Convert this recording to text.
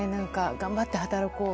頑張って働こう